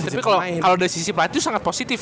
tapi kalo dari sisi pelatih lu sangat positif